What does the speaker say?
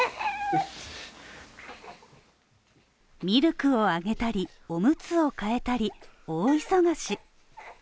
ミルクをあげたり、おむつをかえたり、大忙し。